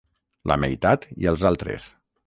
La meitat i els altres.